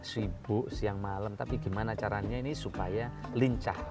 sibuk siang malam tapi gimana caranya ini supaya lincah